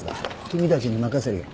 君たちに任せるよ。